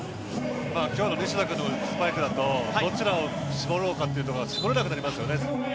今日の西田君のスパイクだとどちらを絞ろうかというのが絞れなくなりますよね。